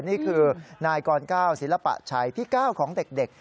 นี่คือนายกรก้าวศิลปะชัยพี่ก้าวของเด็ก